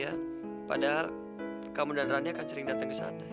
ya padahal kamu dan rani akan sering datang ke sana